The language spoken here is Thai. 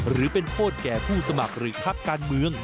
หรือเป็นโทษแก่ผู้สมัครหรือพักการเมือง